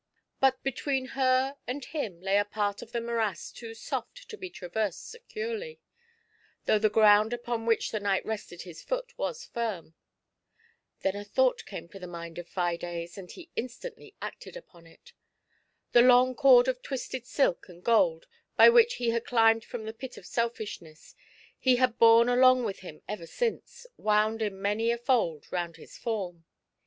But between her and him lay a part of the morass too soft to be traversed securely, though the ground upon which the knight rested his foot was firm. Then a thought came to the mind of Fides, and he instantly acted upon it. The long cord of twisted silk and gold, by which he had climbed from the pit of Sel fishness, he had borne along with him ever since, wound in many a fol4 round his form.